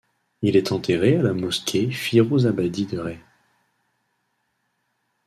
Il est enterré à la mosquée Firouzabadi de Rey.